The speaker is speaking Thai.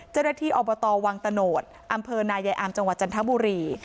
เจ้าหน้าที่อบตวังตะโนธอำเภอนายายอามจังหวัดจันทบุรี